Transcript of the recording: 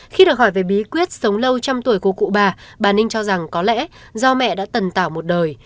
khi được hỏi về bí quyết sống lâu trăm tuổi của cụ bà bà ninh cho rằng có lẽ do mẹ đã tần tảo một đời